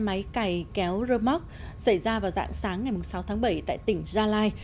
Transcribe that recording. xe máy cày kéo rơ móc xảy ra vào dạng sáng ngày sáu tháng bảy tại tỉnh gia lai